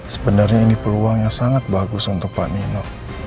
sebenarnya ini peluang yang sangat bagus untuk pak nino